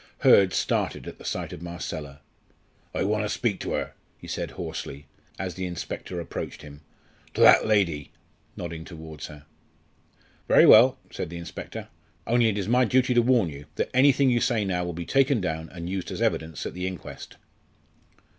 Hurd started at sight of Marcella. "I want to speak to her," he said hoarsely, as the inspector approached him "to that lady" nodding towards her. "Very well," said the inspector; "only it is my duty to warn you that anything you say now will be taken down and used as evidence at the inquest."